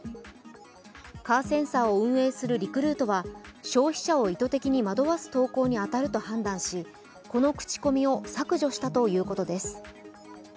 「カーセンサー」を運営するリクルートは消費者を意図的に惑わす投稿に当たると判断しこの口コミを削除したということです。